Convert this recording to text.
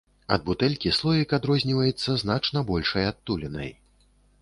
Ад бутэлькі слоік адрозніваецца значна большай адтулінай.